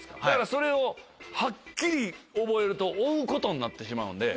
それをはっきり覚えると追うことになってしまうんで。